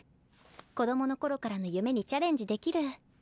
子供の頃からの夢にチャレンジできる。